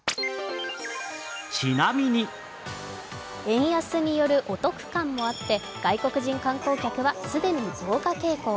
円安によるお得感もあって外国人観光客は既に増加傾向。